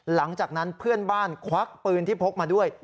หลังจากนั้นเพื่อนบ้านควักปืนที่พกมาด้วย